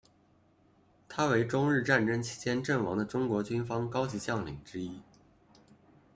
他为中日战争期间阵亡的中国军方高级将领之一。